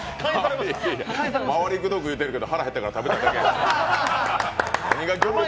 回りくどく言ってるけど、腹減ってるから食べたいだけやん。